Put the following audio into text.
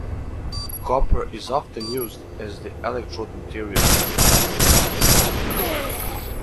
Copper is often used as the electrode material.